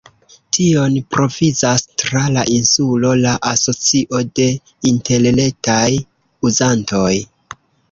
Tion provizas tra la insulo la Asocio de Interretaj Uzantoj.